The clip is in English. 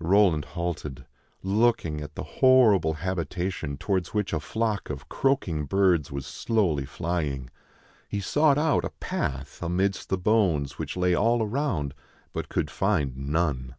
Roland halted, looking at the horrible habitation towards which a flock of croaking birds was slowly flying. He sought out a path amidst the bones which lay all around, but could find none.